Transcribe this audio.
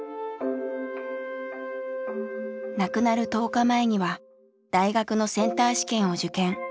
亡くなる１０日前には大学のセンター試験を受験。